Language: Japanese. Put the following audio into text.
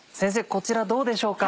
こちらどうでしょうか？